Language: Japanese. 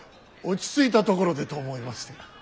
落ち着いたところでと思いまして。